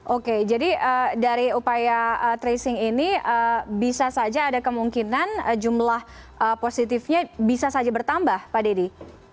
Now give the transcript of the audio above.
oke jadi dari upaya tracing ini bisa saja ada kemungkinan jumlah positifnya bisa saja bertambah pak dedy